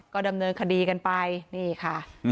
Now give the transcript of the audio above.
ก็ดำเนินคดีกันไปนี่ค่ะ